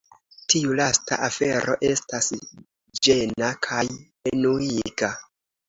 Tiu lasta afero estas ĝena kaj enuiga.